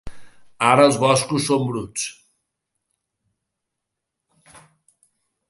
Ara els boscos són bruts.